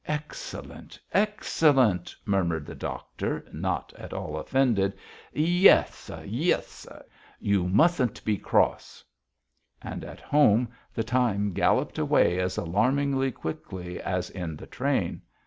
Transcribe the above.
"Excellent, excellent," murmured the doctor, not at all offended. "Yies, yies. You mustn't be cross." And at home the time galloped away as alarmingly quickly as in the train....